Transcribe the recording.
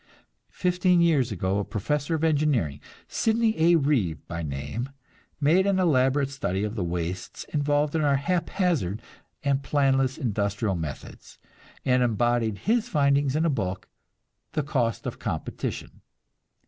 Fifteen years ago a professor of engineering, Sidney A. Reeve by name, made an elaborate study of the wastes involved in our haphazard and planless industrial methods, and embodied his findings in a book, "The Cost of Competition."